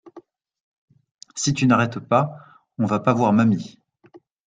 Si tu n'arrêtes pas, on va pas voir mamie.